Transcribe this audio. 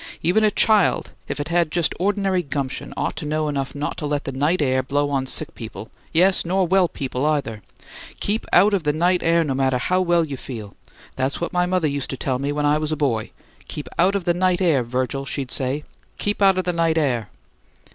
"Even a child, if it had just ordinary gumption, ought to know enough not to let the night air blow on sick people yes, nor well people, either! 'Keep out of the night air, no matter how well you feel.' That's what my mother used to tell me when I was a boy. 'Keep out of the night air, Virgil,' she'd say. 'Keep out of the night air.'"